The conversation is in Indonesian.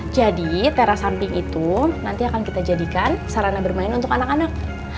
jadi teras samping itu nanti akan kita jadikan sarana bermain untuk anak anak